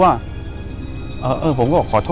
อยู่ที่แม่ศรีวิรัยิลครับ